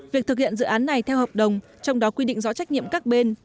việc thực hiện dự án này theo hợp đồng trong đó quy định rõ trách nhiệm các bên